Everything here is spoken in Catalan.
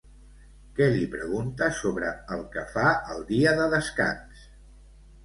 Què li pregunta sobre el que fa el dia de descans?